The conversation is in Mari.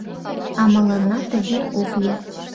А мыланна тыге ок лий.